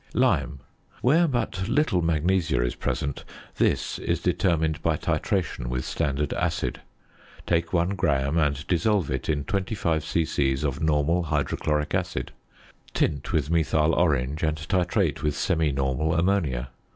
~Lime.~ Where but little magnesia is present, this is determined by titration with standard acid. Take one gram, and dissolve it in 25 c.c. of normal hydrochloric acid. Tint with methyl orange and titrate with semi normal ammonia.